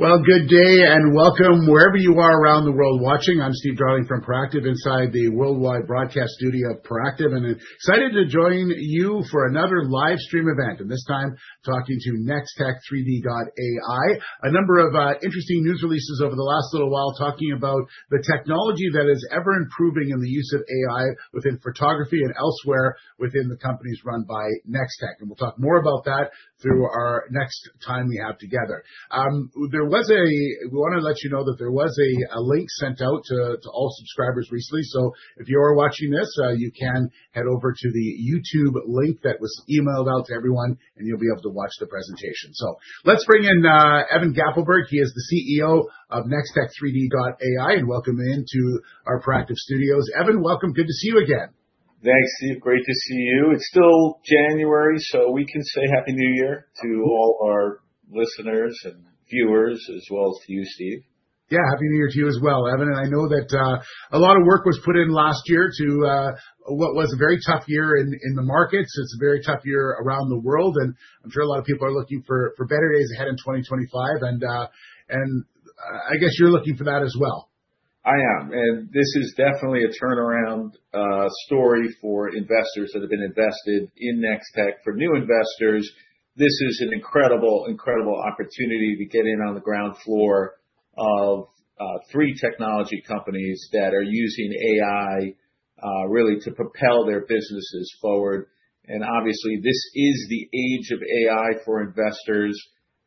Good day and welcome wherever you are around the world watching. I'm Steve Darling from Proactive, inside the worldwide broadcast studio of Proactive, and excited to join you for another live stream event, and this time talking to Nextech3D.ai. A number of interesting news releases over the last little while talking about the technology that is ever improving in the use of AI within photography and elsewhere within the companies run by Nextech, and we'll talk more about that through our next time we have together. We want to let you know that there was a link sent out to all subscribers recently, so if you are watching this, you can head over to the YouTube link that was emailed out to everyone, and you'll be able to watch the presentation. So let's bring in Evan Gappelberg. He is the CEO of Nextech3D.ai, and welcome into our Proactive studios. Evan, welcome. Good to see you again. Thanks, Steve. Great to see you. It's still January, so we can say happy New Year to all our listeners and viewers, as well as to you, Steve. Yeah, happy New Year to you as well, Evan. And I know that a lot of work was put in last year to what was a very tough year in the markets. It's a very tough year around the world, and I'm sure a lot of people are looking for better days ahead in 2025, and I guess you're looking for that as well. I am, and this is definitely a turnaround story for investors that have been invested in Nextech. For new investors, this is an incredible, incredible opportunity to get in on the ground floor of three technology companies that are using AI really to propel their businesses forward. Obviously, this is the age of AI for investors.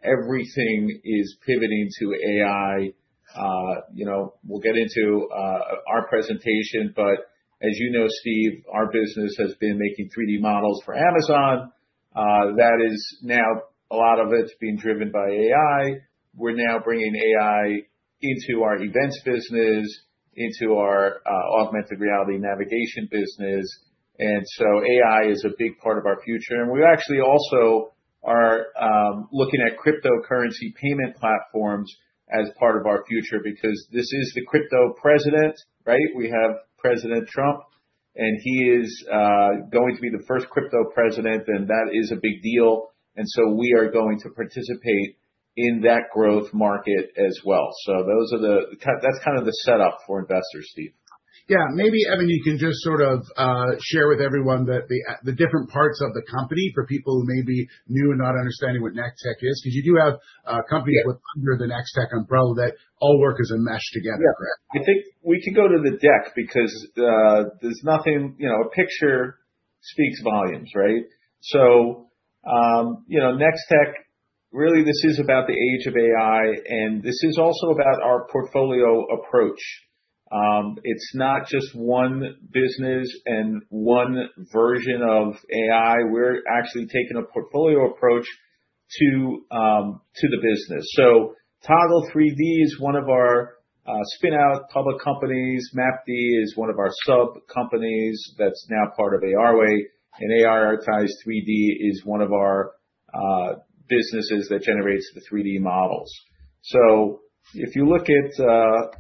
Everything is pivoting to AI. We'll get into our presentation, but as you know, Steve, our business has been making 3D models for Amazon. That is now a lot of it being driven by AI. We're now bringing AI into our events business, into our augmented reality navigation business, and so AI is a big part of our future. We actually also are looking at cryptocurrency payment platforms as part of our future because this is the crypto president, right? We have President Trump, and he is going to be the first crypto president, and that is a big deal, and so we are going to participate in that growth market as well, so that's kind of the setup for investors, Steve. Yeah, maybe Evan, you can just sort of share with everyone the different parts of the company for people who may be new and not understanding what Nextech is, because you do have companies under the Nextech umbrella that all work as a mesh together, correct? Yeah, I think we can go to the deck because there's nothing, you know, a picture speaks volumes, right? So Nextech, really this is about the age of AI, and this is also about our portfolio approach. It's not just one business and one version of AI. We're actually taking a portfolio approach to the business. So Toggle3D is one of our spinout public companies. Map D is one of our sub-companies that's now part of ARway, and ARitize 3D is one of our businesses that generates the 3D models. So if you look at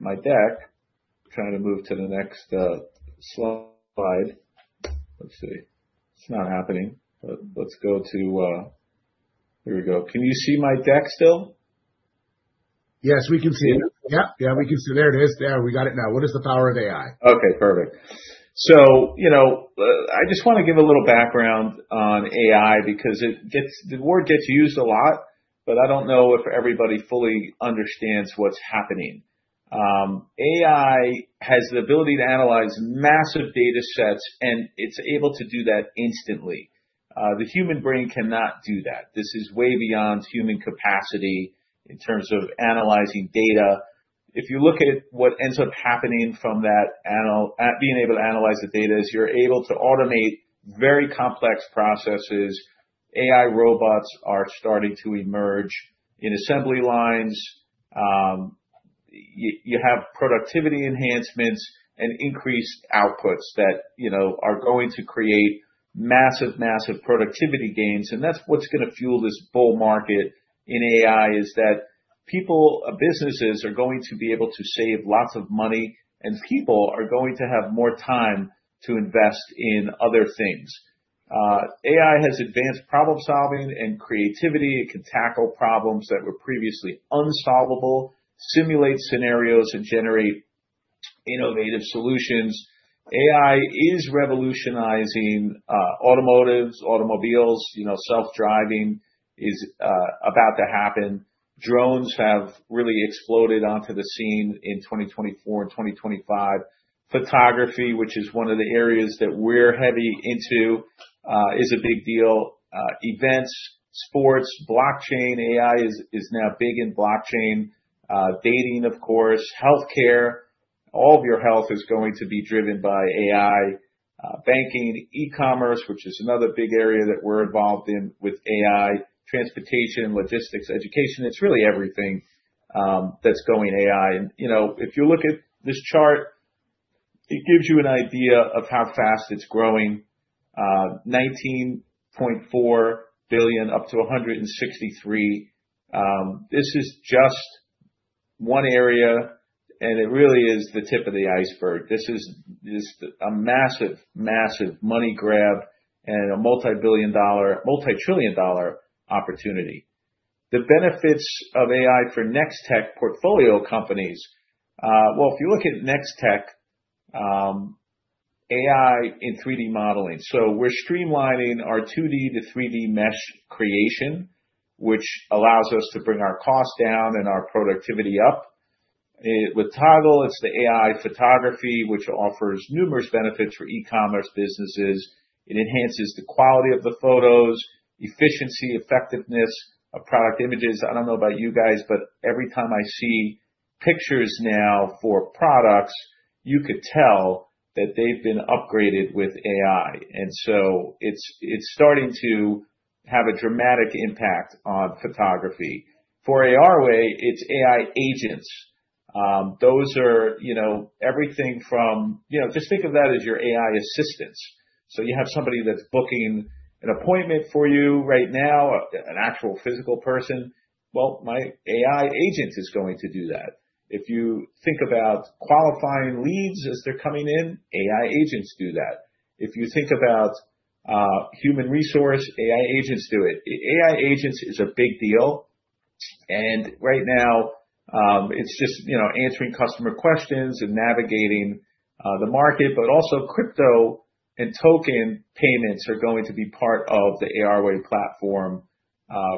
my deck, trying to move to the next slide. Let's see. It's not happening, but let's go to, here we go. Can you see my deck still? Yes, we can see it. Yeah, yeah, we can see it. There it is. There, we got it now. What is the power of AI? Okay, perfect. So you know I just want to give a little background on AI because the word gets used a lot, but I don't know if everybody fully understands what's happening. AI has the ability to analyze massive data sets, and it's able to do that instantly. The human brain cannot do that. This is way beyond human capacity in terms of analyzing data. If you look at what ends up happening from that, being able to analyze the data is you're able to automate very complex processes. AI robots are starting to emerge in assembly lines. You have productivity enhancements and increased outputs that are going to create massive, massive productivity gains, and that's what's going to fuel this bull market in AI, is that people, businesses are going to be able to save lots of money, and people are going to have more time to invest in other things. AI has advanced problem solving and creativity. It can tackle problems that were previously unsolvable, simulate scenarios, and generate innovative solutions. AI is revolutionizing automotives, automobiles. Self-driving is about to happen. Drones have really exploded onto the scene in 2024 and 2025. Photography, which is one of the areas that we're heavy into, is a big deal. Events, sports, blockchain. AI is now big in blockchain. Dating, of course, healthcare. All of your health is going to be driven by AI. Banking, e-commerce, which is another big area that we're involved in with AI. Transportation, logistics, education; it's really everything that's going AI. And you know, if you look at this chart, it gives you an idea of how fast it's growing. 19.4 billion up to 163. This is just one area, and it really is the tip of the iceberg. This is just a massive, massive money grab and a multi-billion-dollar, multi-trillion-dollar opportunity. The benefits of AI for Nextech portfolio companies. Well, if you look at Nextech, AI in 3D modeling, so we're streamlining our 2D to 3D mesh creation, which allows us to bring our cost down and our productivity up. With Toggle, it's the AI photography, which offers numerous benefits for e-commerce businesses. It enhances the quality of the photos, efficiency, effectiveness of product images. I don't know about you guys, but every time I see pictures now for products, you could tell that they've been upgraded with AI. So it's starting to have a dramatic impact on photography. For ARway, it's AI agents. Those are everything from, you know, just think of that as your AI assistants. So you have somebody that's booking an appointment for you right now, an actual physical person. My AI agent is going to do that. If you think about qualifying leads as they're coming in, AI agents do that. If you think about human resource, AI agents do it. AI agents is a big deal, and right now it's just answering customer questions and navigating the market, but also crypto and token payments are going to be part of the ARway platform,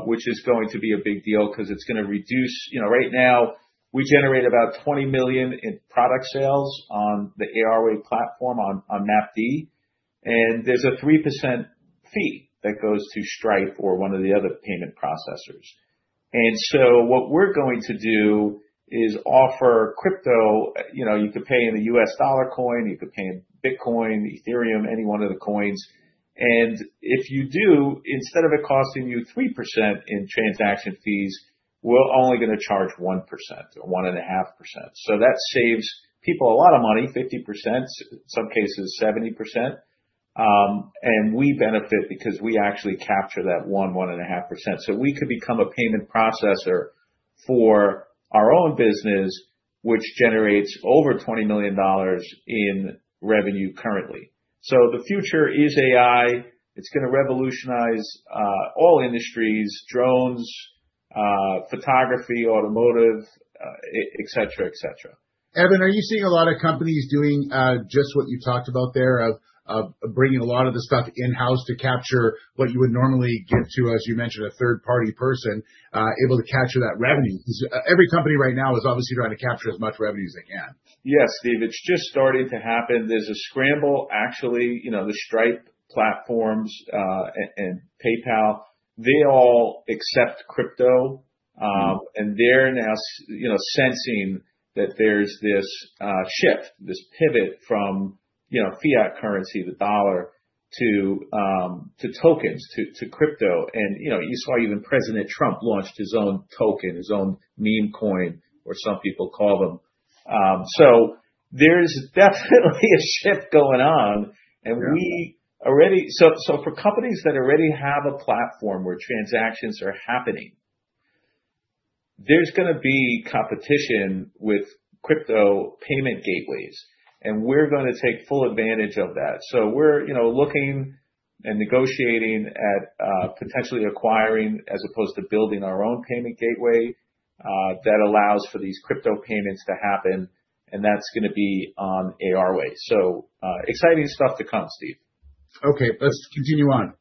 which is going to be a big deal because it's going to reduce, you know, right now we generate about $20 million in product sales on the ARway platform on Map D, and there's a 3% fee that goes to Stripe or one of the other payment processors. And so what we're going to do is offer crypto, you know, you could pay in the U.S. Dollar Coin, you could pay in Bitcoin, Ethereum, any one of the coins. And if you do, instead of it costing you 3% in transaction fees, we're only going to charge 1% or 1.5%. So that saves people a lot of money, 50%, in some cases 70%, and we benefit because we actually capture that 1%-1.5%. So we could become a payment processor for our own business, which generates over $20 million in revenue currently. So the future is AI. It's going to revolutionize all industries: drones, photography, automotive, et cetera, et cetera. Evan, are you seeing a lot of companies doing just what you talked about there of bringing a lot of the stuff in-house to capture what you would normally get to, as you mentioned, a third-party person able to capture that revenue? Because every company right now is obviously trying to capture as much revenue as they can. Yes, Steve. It's just starting to happen. There's a scramble, actually, you know, the Stripe platforms and PayPal, they all accept crypto, and they're now sensing that there's this shift, this pivot from fiat currency, the dollar, to tokens, to crypto. And you saw even President Trump launched his own token, his own meme coin, or some people call them. So there's definitely a shift going on, and we already, so for companies that already have a platform where transactions are happening, there's going to be competition with crypto payment gateways, and we're going to take full advantage of that. So we're looking and negotiating at potentially acquiring, as opposed to building our own payment gateway that allows for these crypto payments to happen, and that's going to be on ARway. So exciting stuff to come, Steve. Okay, let's continue on.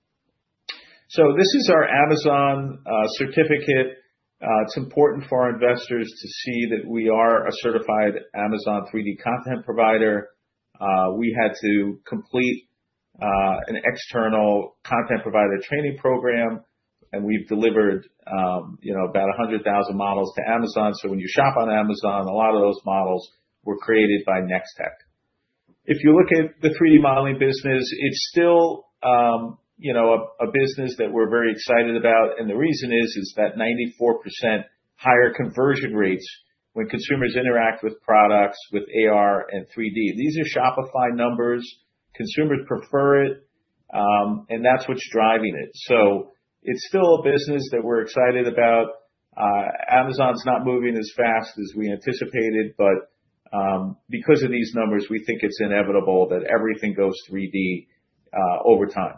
So this is our Amazon certificate. It's important for our investors to see that we are a certified Amazon 3D content provider. We had to complete an external content provider training program, and we've delivered about 100,000 models to Amazon. So when you shop on Amazon, a lot of those models were created by Nextech. If you look at the 3D modeling business, it's still a business that we're very excited about, and the reason is that 94% higher conversion rates when consumers interact with products with AR and 3D. These are Shopify numbers. Consumers prefer it, and that's what's driving it. So it's still a business that we're excited about. Amazon's not moving as fast as we anticipated, but because of these numbers, we think it's inevitable that everything goes 3D over time.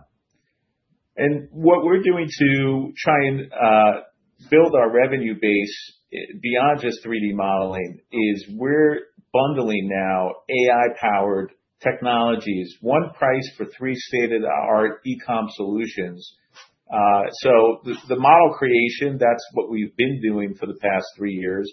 And what we're doing to try and build our revenue base beyond just 3D modeling is we're bundling now AI-powered technologies, one price for three state-of-the-art e-com solutions. So the model creation, that's what we've been doing for the past three years,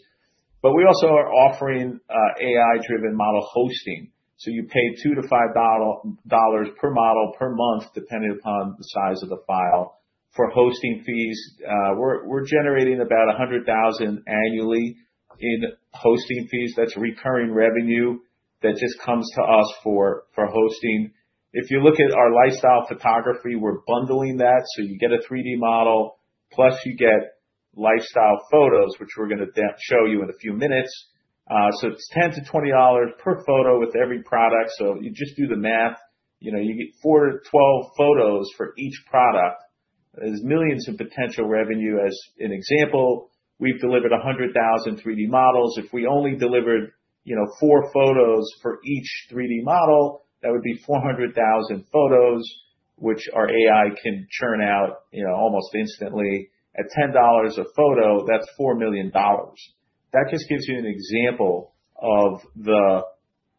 but we also are offering AI-driven model hosting. So you pay $2-$5 per model per month, depending upon the size of the file, for hosting fees. We're generating about 100,000 annually in hosting fees. That's recurring revenue that just comes to us for hosting. If you look at our lifestyle photography, we're bundling that. So you get a 3D model, plus you get lifestyle photos, which we're going to show you in a few minutes. So it's $10-$20 per photo with every product. So you just do the math. You get 4-12 photos for each product. There's millions in potential revenue. As an example, we've delivered 100,000 3D models. If we only delivered four photos for each 3D model, that would be 400,000 photos, which our AI can churn out almost instantly. At $10 a photo, that's $4 million. That just gives you an example of the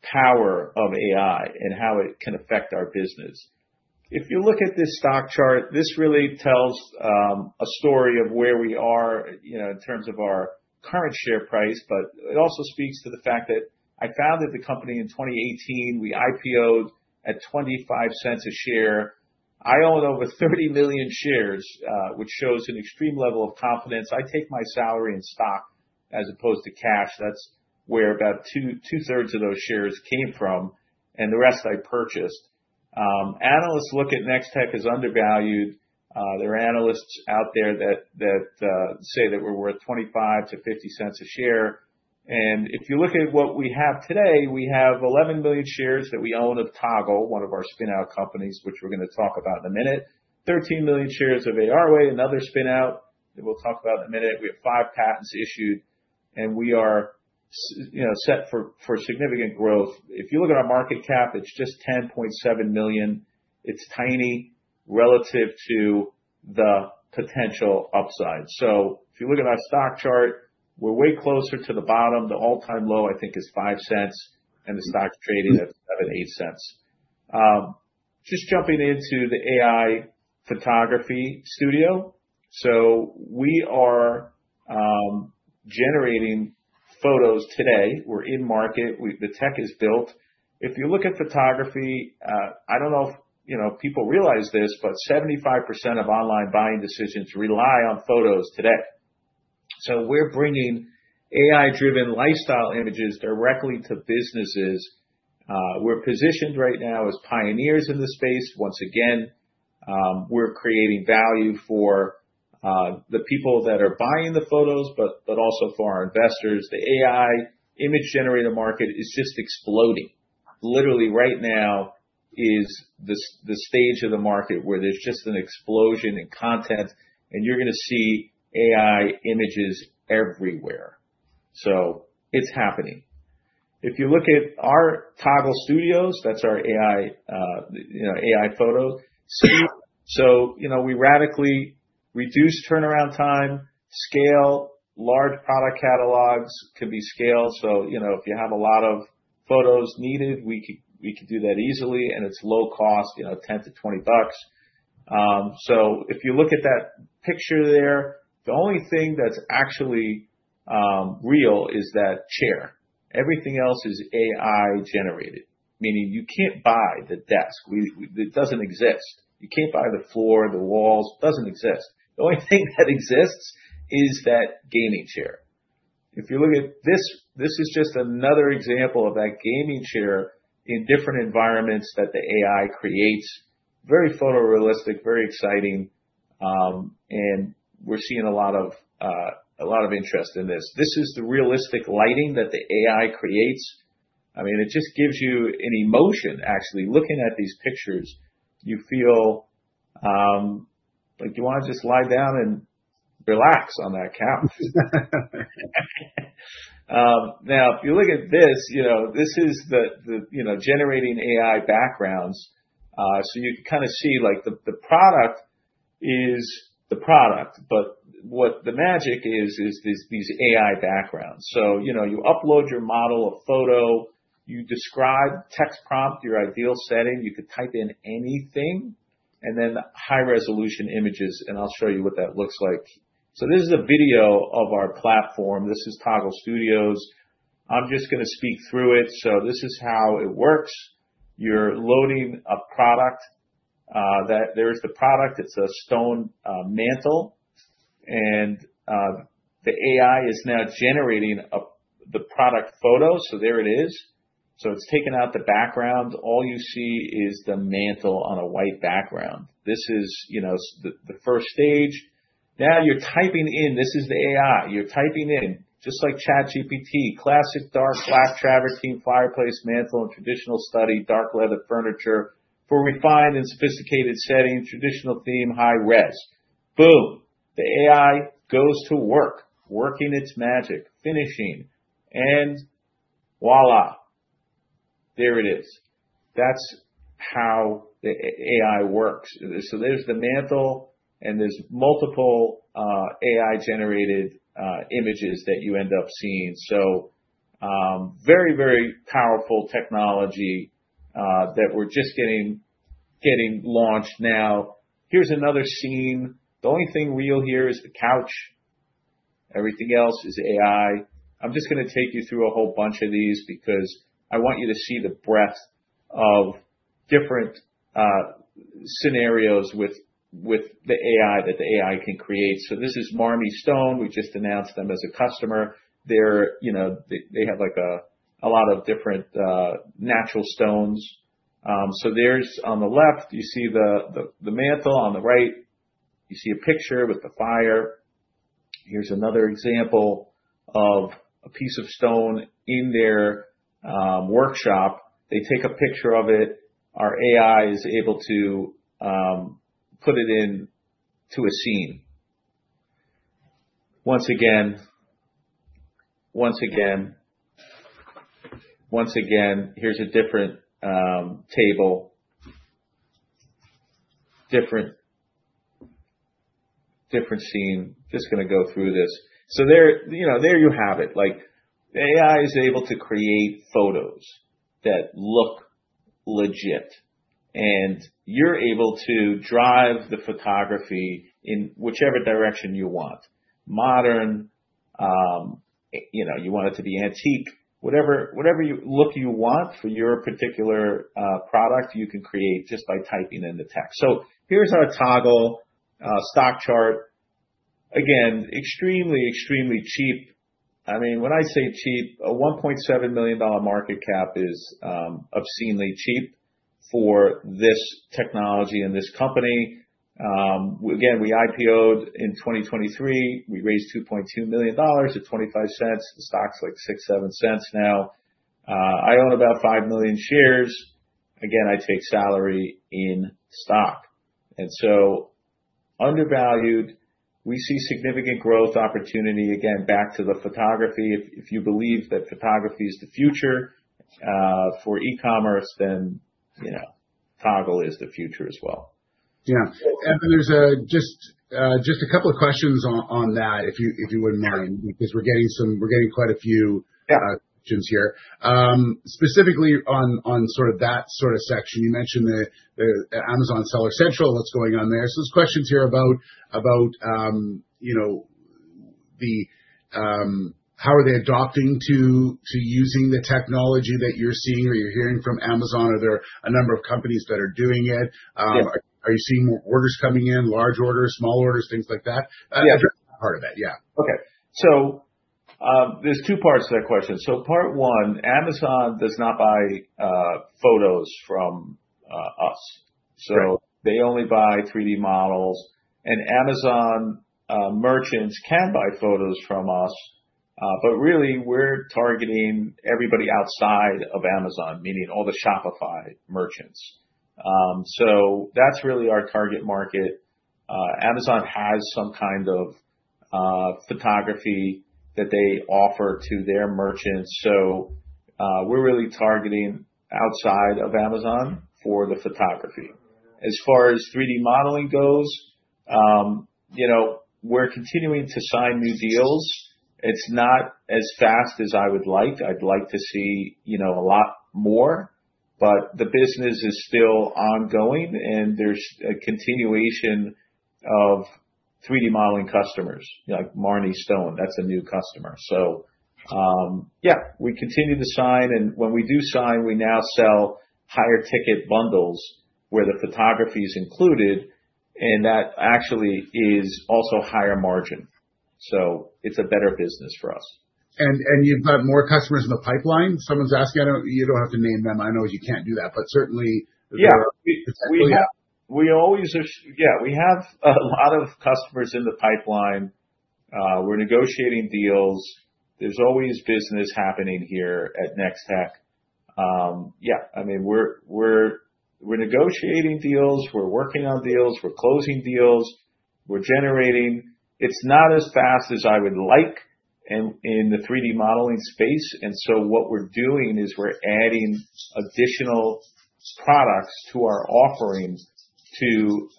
power of AI and how it can affect our business. If you look at this stock chart, this really tells a story of where we are in terms of our current share price, but it also speaks to the fact that I founded the company in 2018. We IPOed at $0.25 a share. I own over 30 million shares, which shows an extreme level of confidence. I take my salary in stock as opposed to cash. That's where about two-thirds of those shares came from, and the rest I purchased. Analysts look at Nextech as undervalued. There are analysts out there that say that we're worth 25-50 cents a share. And if you look at what we have today, we have 11 million shares that we own of Toggle, one of our spinout companies, which we're going to talk about in a minute, 13 million shares of ARway, another spinout that we'll talk about in a minute. We have five patents issued, and we are set for significant growth. If you look at our market cap, it's just 10.7 million. It's tiny relative to the potential upside. So if you look at our stock chart, we're way closer to the bottom. The all-time low, I think, is 5 cents, and the stock's trading at about $0.08 cents. Just jumping into the AI photography studio. So we are generating photos today. We're in market. The tech is built. If you look at photography, I don't know if people realize this, but 75% of online buying decisions rely on photos today, so we're bringing AI-driven lifestyle images directly to businesses. We're positioned right now as pioneers in the space. Once again, we're creating value for the people that are buying the photos, but also for our investors. The AI image-generator market is just exploding. Literally, right now is the stage of the market where there's just an explosion in content, and you're going to see AI images everywhere, so it's happening. If you look at our Toggle Studios, that's our AI photo, so we radically reduce turnaround time, scale, large product catalogs can be scaled. So if you have a lot of photos needed, we can do that easily, and it's low cost, $10-$20. So if you look at that picture there, the only thing that's actually real is that chair. Everything else is AI-generated, meaning you can't buy the desk. It doesn't exist. You can't buy the floor, the walls. It doesn't exist. The only thing that exists is that gaming chair. If you look at this, this is just another example of that gaming chair in different environments that the AI creates. Very photorealistic, very exciting, and we're seeing a lot of interest in this. This is the realistic lighting that the AI creates. I mean, it just gives you an emotion, actually. Looking at these pictures, you feel like you want to just lie down and relax on that couch. Now, if you look at this, this is the generating AI backgrounds. So you can kind of see the product is the product, but what the magic is, is these AI backgrounds. So you upload your model of photo, you describe text prompt, your ideal setting, you could type in anything, and then high-resolution images, and I'll show you what that looks like. So this is a video of our platform. This is Toggle Studios. I'm just going to speak through it. So this is how it works. You're loading a product. There's the product. It's a stone mantle, and the AI is now generating the product photo. So there it is. So it's taken out the background. All you see is the mantle on a white background. This is the first stage. Now you're typing in. This is the AI. You're typing in, just like ChatGPT, classic dark black travertine fireplace mantle and traditional study dark leather furniture for refined and sophisticated setting, traditional theme, high res. Boom. The AI goes to work, working its magic, finishing, and voilà. There it is. That's how the AI works. So there's the mantle, and there's multiple AI-generated images that you end up seeing. So very, very powerful technology that we're just getting launched now. Here's another scene. The only thing real here is the couch. Everything else is AI. I'm just going to take you through a whole bunch of these because I want you to see the breadth of different scenarios with the AI that the AI can create. So this is Marmi Stone. We just announced them as a customer. They have a lot of different natural stones. So there's on the left, you see the mantle. On the right, you see a picture with the fire. Here's another example of a piece of stone in their workshop. They take a picture of it. Our AI is able to put it into a scene. Once again, once again, once again, here's a different table, different scene. Just going to go through this. So there you have it. The AI is able to create photos that look legit, and you're able to drive the photography in whichever direction you want. Modern, you want it to be antique, whatever look you want for your particular product, you can create just by typing in the text. So here's our Toggle stock chart. Again, extremely, extremely cheap. I mean, when I say cheap, a $1.7 million market cap is obscenely cheap for this technology and this company. Again, we IPOed in 2023. We raised $2.2 million at $0.25. The stock's like $0.06-$0.07 now. I own about 5 million shares. Again, I take salary in stock. And so undervalued, we see significant growth opportunity. Again, back to the photography. If you believe that photography is the future for e-commerce, then Toggle is the future as well. Yeah. Evan, there's just a couple of questions on that, if you wouldn't mind, because we're getting quite a few questions here. Specifically on sort of that sort of section, you mentioned the Amazon Seller Central. What's going on there? So there's questions here about how are they adopting to using the technology that you're seeing or you're hearing from Amazon? Are there a number of companies that are doing it? Are you seeing more orders coming in, large orders, small orders, things like that? Address that part of it, yeah. Okay. So there's two parts to that question. So part one, Amazon does not buy photos from us. So they only buy 3D models, and Amazon merchants can buy photos from us, but really we're targeting everybody outside of Amazon, meaning all the Shopify merchants. So that's really our target market. Amazon has some kind of photography that they offer to their merchants. So we're really targeting outside of Amazon for the photography. As far as 3D modeling goes, we're continuing to sign new deals. It's not as fast as I would like. I'd like to see a lot more, but the business is still ongoing, and there's a continuation of 3D modeling customers like Marmi Stone. That's a new customer. So yeah, we continue to sign, and when we do sign, we now sell higher ticket bundles where the photography is included, and that actually is also higher margin. So it's a better business for us. And you've got more customers in the pipeline? Someone's asking. You don't have to name them. I know you can't do that, but certainly. Yeah. We always have, yeah, we have a lot of customers in the pipeline. We're negotiating deals. There's always business happening here at Nextech. Yeah. I mean, we're negotiating deals. We're working on deals. We're closing deals. We're generating. It's not as fast as I would like in the 3D modeling space. And so what we're doing is we're adding additional products to our offering to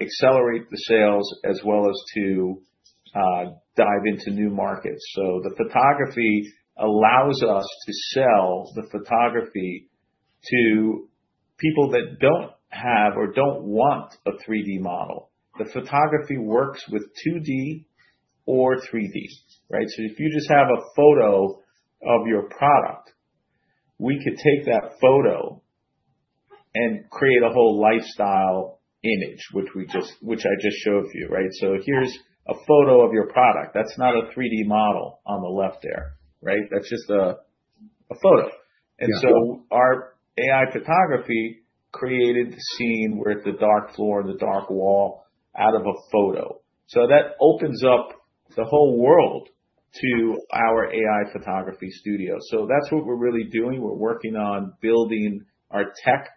accelerate the sales as well as to dive into new markets. So the photography allows us to sell the photography to people that don't have or don't want a 3D model. The photography works with 2D or 3D, right? So if you just have a photo of your product, we could take that photo and create a whole lifestyle image, which I just showed you, right? So here's a photo of your product. That's not a 3D model on the left there, right? That's just a photo. And so our AI photography created the scene where it's a dark floor and a dark wall out of a photo. So that opens up the whole world to our AI photography studio. So that's what we're really doing. We're working on building our tech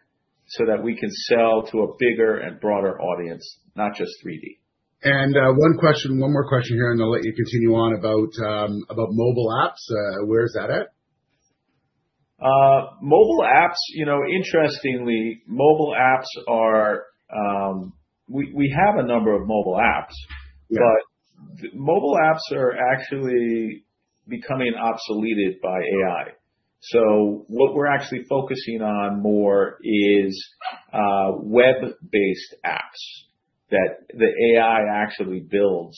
so that we can sell to a bigger and broader audience, not just 3D. One more question here, and I'll let you continue on about mobile apps. Where's that at? Mobile apps, interestingly, we have a number of mobile apps, but mobile apps are actually becoming obsoleted by AI. So what we're actually focusing on more is web-based apps that the AI actually builds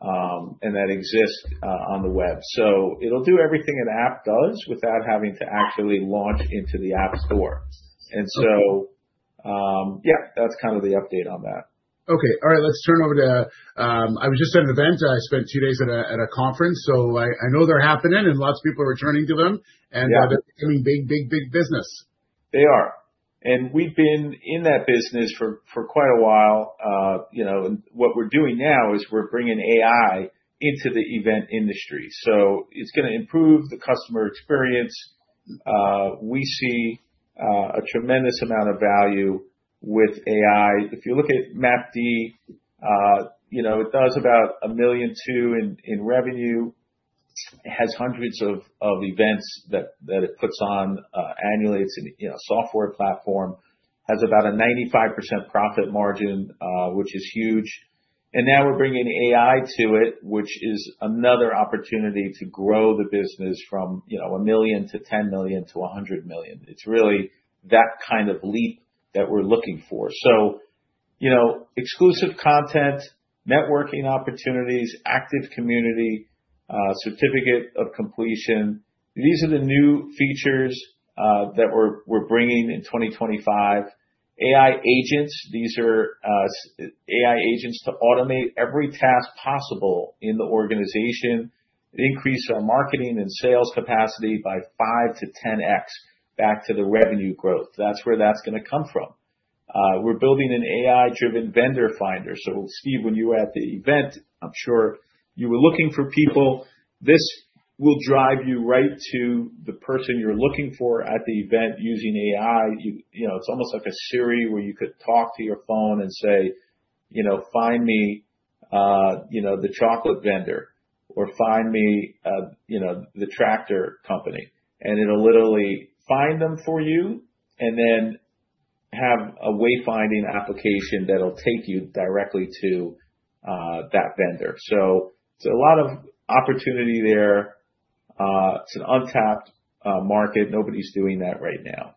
and that exist on the web. So it'll do everything an app does without having to actually launch into the app store. And so, yeah, that's kind of the update on that. Okay. All right. Let's turn over to. I was just at an event. I spent two days at a conference. So I know they're happening and lots of people are returning to them, and they're becoming big, big, big business. They are. And we've been in that business for quite a while. What we're doing now is we're bringing AI into the event industry. So it's going to improve the customer experience. We see a tremendous amount of value with AI. If you look at Map D, it does about $1.2 million in revenue. It has hundreds of events that it puts on annually. It's a software platform. It has about a 95% profit margin, which is huge. And now we're bringing AI to it, which is another opportunity to grow the business from $1 million-$10 million-$100 million. It's really that kind of leap that we're looking for. So exclusive content, networking opportunities, active community, certificate of completion. These are the new features that we're bringing in 2025. AI agents, these are AI agents to automate every task possible in the organization. It increased our marketing and sales capacity by five-10x back to the revenue growth. That's where that's going to come from. We're building an AI-driven vendor finder. So Steve, when you were at the event, I'm sure you were looking for people. This will drive you right to the person you're looking for at the event using AI. It's almost like a Siri where you could talk to your phone and say, "Find me the chocolate vendor" or "Find me the tractor company." And it'll literally find them for you and then have a wayfinding application that'll take you directly to that vendor. So it's a lot of opportunity there. It's an untapped market. Nobody's doing that right now.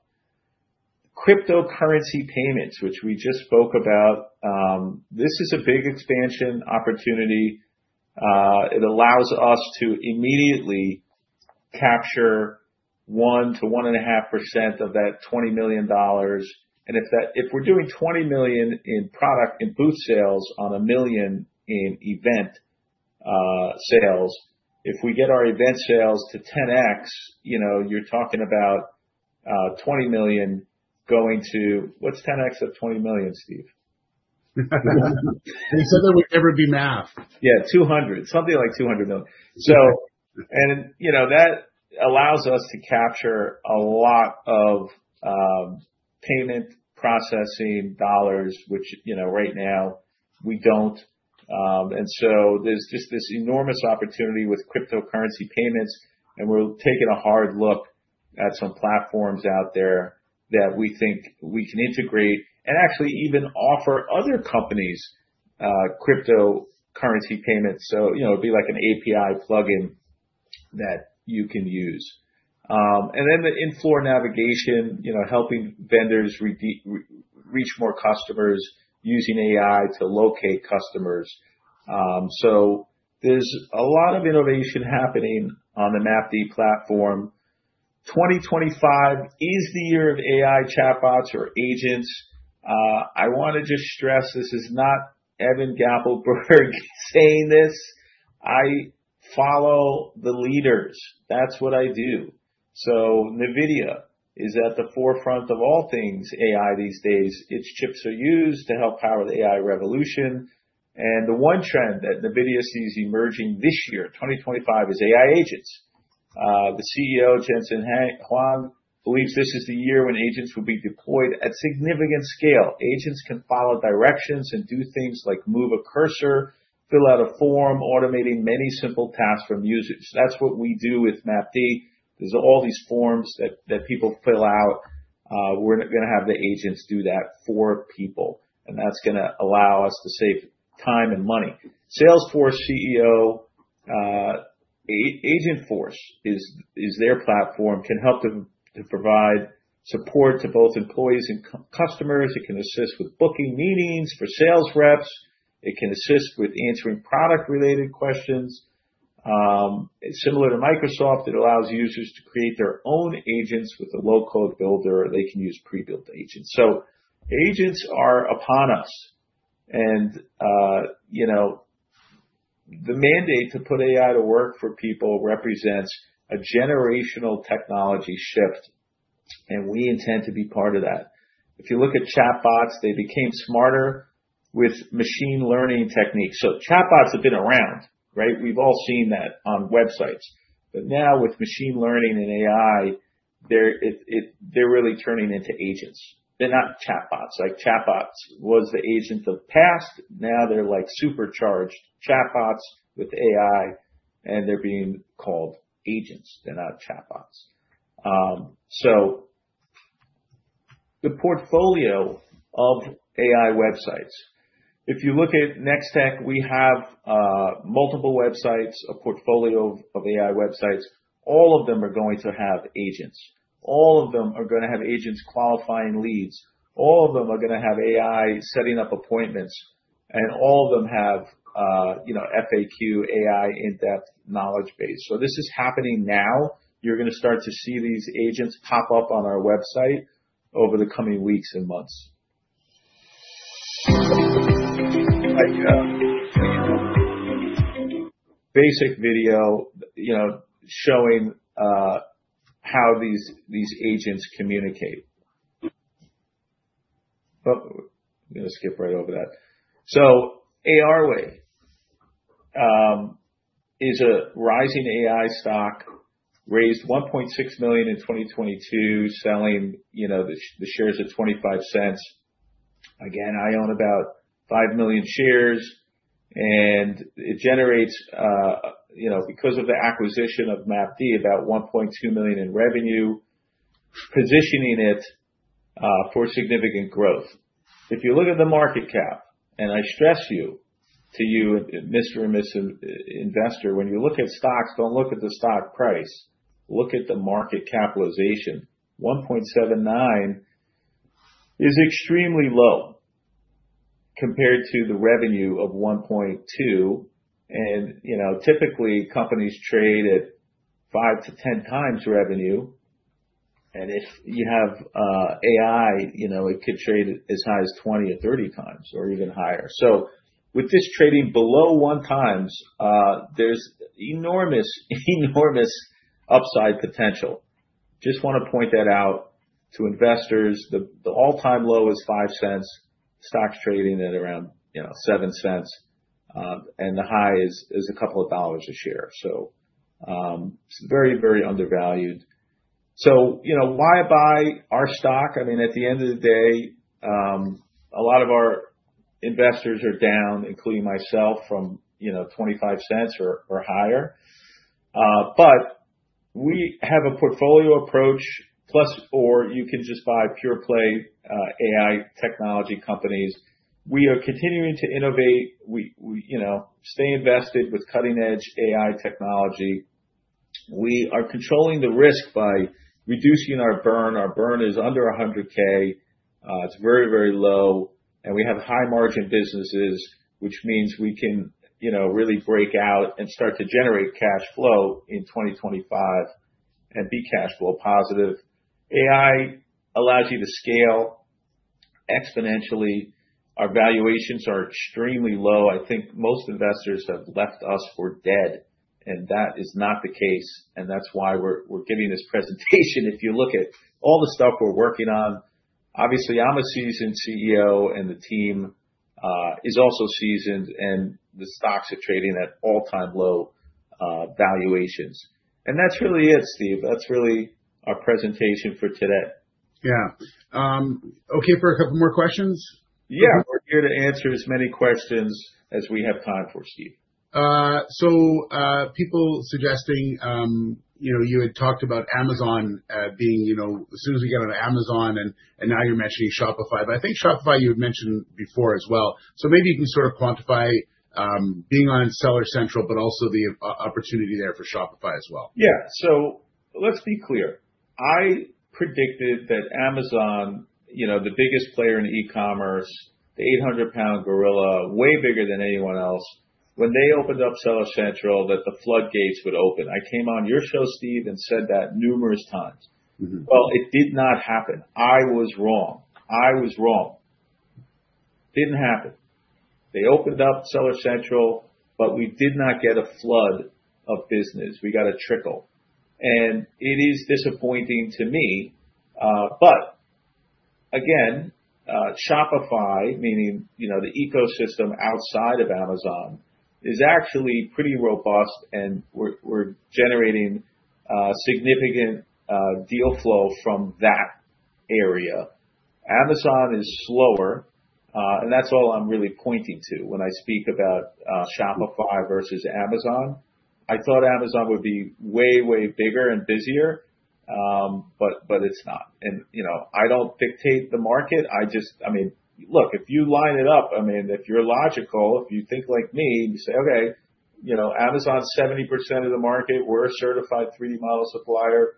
Cryptocurrency payments, which we just spoke about, this is a big expansion opportunity. It allows us to immediately capture one-1.5% of that $20 million. If we're doing $20 million in product in booth sales on $1 million in event sales, if we get our event sales to 10x, you're talking about $20 million going to what's 10x of $20 million, Steve? You said there would never be math. Yeah, $200 million, something like $200 million. And that allows us to capture a lot of payment processing dollars, which right now we don't. And so there's just this enormous opportunity with cryptocurrency payments, and we're taking a hard look at some platforms out there that we think we can integrate and actually even offer other companies cryptocurrency payments. So it'd be like an API plugin that you can use. And then the indoor navigation, helping vendors reach more customers using AI to locate customers. So there's a lot of innovation happening on the Map D platform. 2025 is the year of AI chatbots or agents. I want to just stress this is not Evan Gappelberg saying this. I follow the leaders. That's what I do. So NVIDIA is at the forefront of all things AI these days. Its chips are used to help power the AI revolution. The one trend that NVIDIA sees emerging this year, 2025, is AI agents. The CEO, Jensen Huang, believes this is the year when agents will be deployed at significant scale. Agents can follow directions and do things like move a cursor, fill out a form, automating many simple tasks for users. That's what we do with MAPD. There's all these forms that people fill out. We're going to have the agents do that for people, and that's going to allow us to save time and money. Salesforce CEO, Agentforce is their platform, can help to provide support to both employees and customers. It can assist with booking meetings for sales reps. It can assist with answering product-related questions. Similar to Microsoft, it allows users to create their own agents with a low-code builder. They can use pre-built agents. Agents are upon us. The mandate to put AI to work for people represents a generational technology shift, and we intend to be part of that. If you look at chatbots, they became smarter with machine learning techniques. So chatbots have been around, right? We've all seen that on websites. But now with machine learning and AI, they're really turning into agents. They're not chatbots. Like chatbots was the agent of the past. Now they're like supercharged chatbots with AI, and they're being called agents. They're not chatbots. So the portfolio of AI websites, if you look at Nextech, we have multiple websites, a portfolio of AI websites. All of them are going to have agents. All of them are going to have agents qualifying leads. All of them are going to have AI setting up appointments. And all of them have FAQ, AI in-depth knowledge base. So this is happening now. You're going to start to see these agents pop up on our website over the coming weeks and months. Basic video showing how these agents communicate. I'm going to skip right over that. So ARway is a rising AI stock, raised $1.6 million in 2022, selling the shares at $0.25. Again, I own about 5 million shares, and it generates, because of the acquisition of Map D, about $1.2 million in revenue, positioning it for significant growth. If you look at the market cap, and I stress to you, Mr. and Ms. Investor, when you look at stocks, don't look at the stock price. Look at the market capitalization. $1.79 is extremely low compared to the revenue of $1.2. And typically, companies trade at 5-10 times revenue. And if you have AI, it could trade as high as 20 or 30 times or even higher. With this trading below one times, there's enormous, enormous upside potential. Just want to point that out to investors. The all-time low is $0.05. Stock's trading at around $0.07, and the high is a couple of dollars a share. It's very, very undervalued. Why buy our stock? I mean, at the end of the day, a lot of our investors are down, including myself, from $0.25 or higher. We have a portfolio approach, plus or you can just buy pure-play AI technology companies. We are continuing to innovate, stay invested with cutting-edge AI technology. We are controlling the risk by reducing our burn. Our burn is under $100,000. It's very, very low. We have high-margin businesses, which means we can really break out and start to generate cash flow in 2025 and be cash flow positive. AI allows you to scale exponentially. Our valuations are extremely low. I think most investors have left us for dead, and that is not the case, and that's why we're giving this presentation. If you look at all the stuff we're working on, obviously, I'm a seasoned CEO, and the team is also seasoned, and the stocks are trading at all-time low valuations, and that's really it, Steve. That's really our presentation for today. Yeah. Okay for a couple more questions? Yeah. We're here to answer as many questions as we have time for, Steve. So, people suggesting you had talked about Amazon being as soon as we get on Amazon, and now you're mentioning Shopify. But I think Shopify you had mentioned before as well. So maybe you can sort of quantify being on Seller Central, but also the opportunity there for Shopify as well. Yeah. So let's be clear. I predicted that Amazon, the biggest player in e-commerce, the 800-pound gorilla, way bigger than anyone else, when they opened up Seller Central, that the floodgates would open. I came on your show, Steve, and said that numerous times. Well, it did not happen. I was wrong. I was wrong. Didn't happen. They opened up Seller Central, but we did not get a flood of business. We got a trickle. And it is disappointing to me. But again, Shopify, meaning the ecosystem outside of Amazon, is actually pretty robust, and we're generating significant deal flow from that area. Amazon is slower, and that's all I'm really pointing to when I speak about Shopify versus Amazon. I thought Amazon would be way, way bigger and busier, but it's not. And I don't dictate the market. I mean, look, if you line it up. I mean, if you're logical, if you think like me, you say, "Okay, Amazon's 70% of the market. We're a certified 3D model supplier."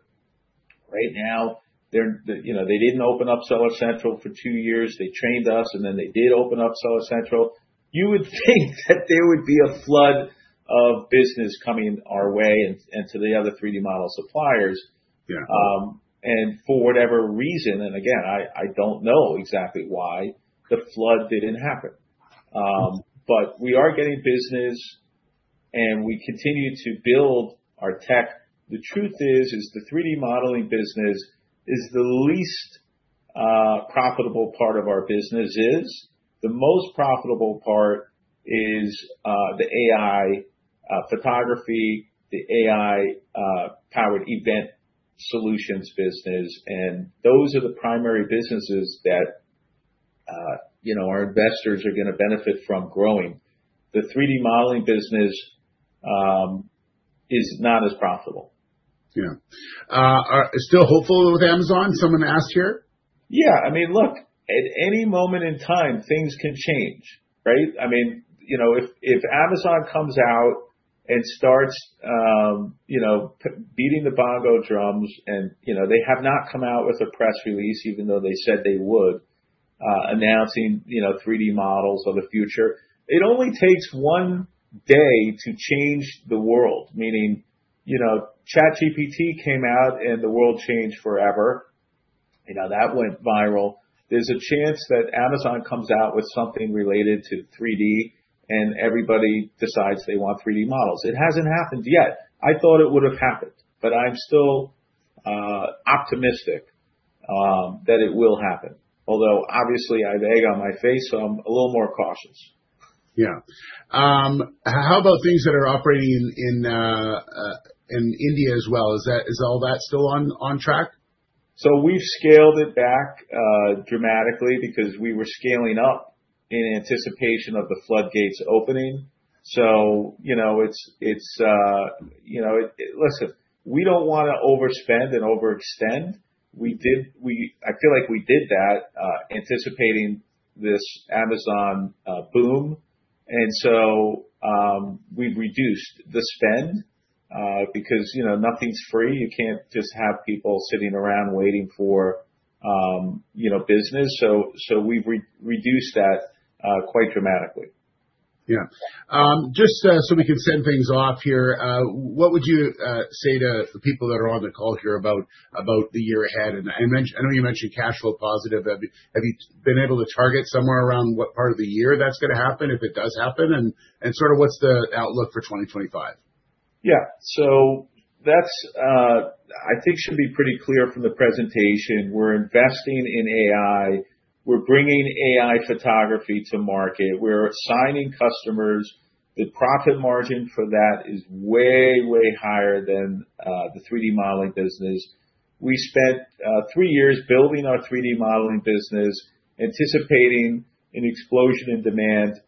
Right now, they didn't open up Seller Central for two years. They trained us, and then they did open up Seller Central. You would think that there would be a flood of business coming our way and to the other 3D model suppliers, and for whatever reason, and again, I don't know exactly why, the flood didn't happen, but we are getting business, and we continue to build our tech. The truth is, the 3D modeling business is the least profitable part of our business. The most profitable part is the AI photography, the AI-powered event solutions business, and those are the primary businesses that our investors are going to benefit from growing. The 3D modeling business is not as profitable. Yeah. Still hopeful with Amazon? Someone asked here. Yeah. I mean, look, at any moment in time, things can change, right? I mean, if Amazon comes out and starts beating the bongo drums, and they have not come out with a press release, even though they said they would, announcing 3D models of the future, it only takes one day to change the world. Meaning ChatGPT came out, and the world changed forever. That went viral. There's a chance that Amazon comes out with something related to 3D, and everybody decides they want 3D models. It hasn't happened yet. I thought it would have happened, but I'm still optimistic that it will happen. Although, obviously, I've egg on my face, so I'm a little more cautious. Yeah. How about things that are operating in India as well? Is all that still on track? So we've scaled it back dramatically because we were scaling up in anticipation of the floodgates opening. So it's, listen, we don't want to overspend and overextend. I feel like we did that anticipating this Amazon boom. And so we've reduced the spend because nothing's free. You can't just have people sitting around waiting for business. So we've reduced that quite dramatically. Yeah. Just so we can send things off here, what would you say to the people that are on the call here about the year ahead? I know you mentioned cash flow positive. Have you been able to target somewhere around what part of the year that's going to happen if it does happen? And sort of what's the outlook for 2025? Yeah. So that's, I think, should be pretty clear from the presentation. We're investing in AI. We're bringing AI photography to market. We're signing customers. The profit margin for that is way, way higher than the 3D modeling business. We spent three years building our 3D modeling business, anticipating an explosion in demand,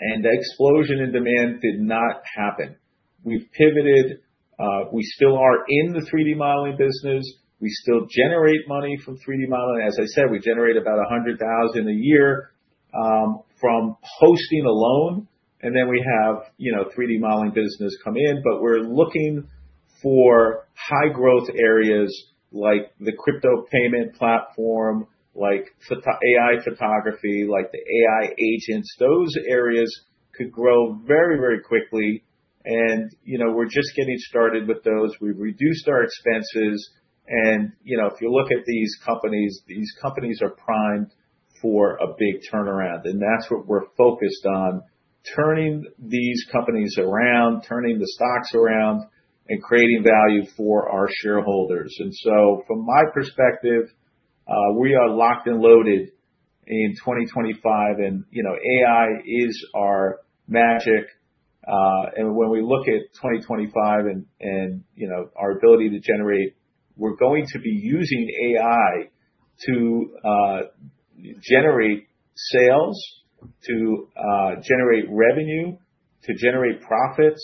and the explosion in demand did not happen. We've pivoted. We still are in the 3D modeling business. We still generate money from 3D modeling. As I said, we generate about $100,000 a year from hosting alone, and then we have 3D modeling business come in, but we're looking for high-growth areas like the crypto payment platform, like AI photography, like the AI agents. Those areas could grow very, very quickly, and we're just getting started with those. We've reduced our expenses, and if you look at these companies, these companies are primed for a big turnaround. And that's what we're focused on: turning these companies around, turning the stocks around, and creating value for our shareholders. And so from my perspective, we are locked and loaded in 2025. And AI is our magic. And when we look at 2025 and our ability to generate, we're going to be using AI to generate sales, to generate revenue, to generate profits.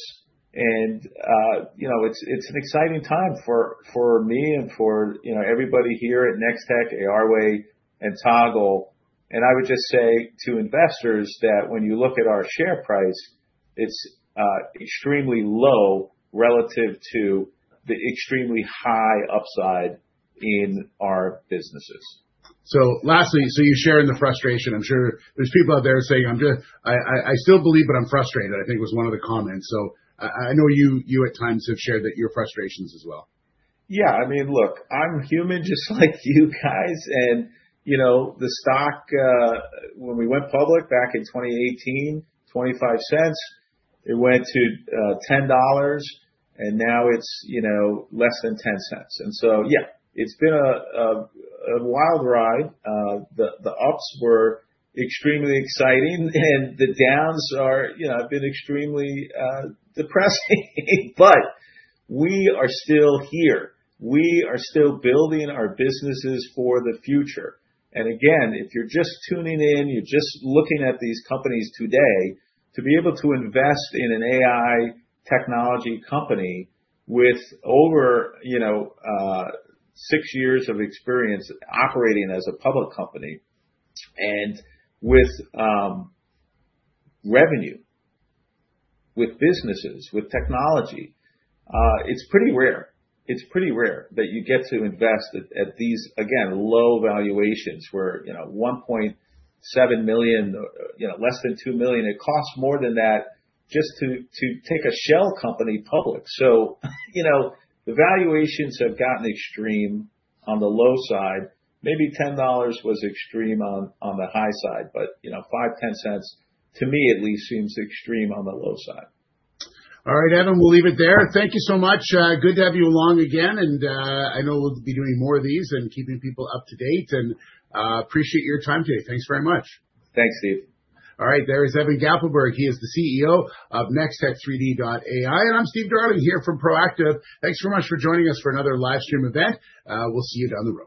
And it's an exciting time for me and for everybody here at Nextech, ARway, and Toggle. And I would just say to investors that when you look at our share price, it's extremely low relative to the extremely high upside in our businesses. So lastly, so you're sharing the frustration. I'm sure there's people out there saying, "I still believe, but I'm frustrated," I think was one of the comments. So I know you at times have shared that your frustrations as well. Yeah. I mean, look, I'm human just like you guys. And the stock, when we went public back in 2018, $0.25, it went to $10, and now it's less than $0.10. And so, yeah, it's been a wild ride. The ups were extremely exciting, and the downs have been extremely depressing. But we are still here. We are still building our businesses for the future. And again, if you're just tuning in, you're just looking at these companies today, to be able to invest in an AI technology company with over six years of experience operating as a public company and with revenue, with businesses, with technology, it's pretty rare. It's pretty rare that you get to invest at these, again, low valuations where $1.7 million, less than $2 million, it costs more than that just to take a shell company public. The valuations have gotten extreme on the low side. Maybe $10 was extreme on the high side, but $0.05-$0.10, to me at least, seems extreme on the low side. All right, Evan, we'll leave it there. Thank you so much. Good to have you along again. And I know we'll be doing more of these and keeping people up to date. And appreciate your time today. Thanks very much. Thanks, Steve. All right. There is Evan Gappelberg. He is the CEO of Nextech3D.ai. And I'm Steve Darling here from Proactive. Thanks very much for joining us for another livestream event. We'll see you down the road.